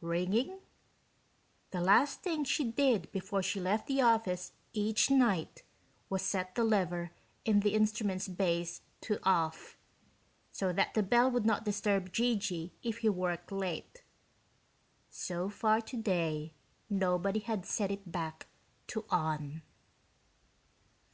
Ringing? The last thing she did before she left the office each night was set the lever in the instrument's base to "off," so that the bell would not disturb G.G. if he worked late. So far today, nobody had set it back to "on."